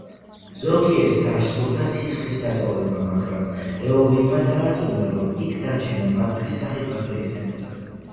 ზოგიერთს არ სურდა სახლის დატოვება, მაგრამ ეოვინმა დაარწმუნა, რომ იქ დარჩენა მათთვის სახიფათო იქნებოდა.